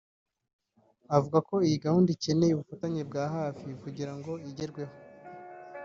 avuga ko iyi gahunda ikeneye ubufatanye bwa hafi kugirango igerwe ho